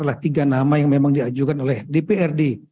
adalah tiga nama yang memang diajukan oleh dprd